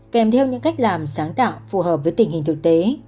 kèm theo những cách làm sáng tạo phù hợp với tình hình thực tế